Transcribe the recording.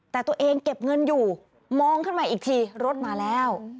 แต่ตัวเองเก็บเงินอยู่มองขึ้นมาอีกทีรถมาแล้ว